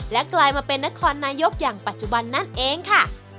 กลายมาเป็นนครนายกอย่างปัจจุบันนั่นเองค่ะ